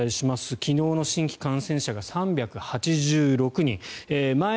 昨日の感染者が３８６人。